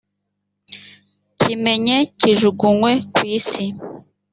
kimenye kijugunywe ku isi,